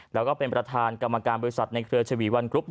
แล้วก็เป็นประธานกรรมการบริษัทในเครือชวีวันกรุ๊ป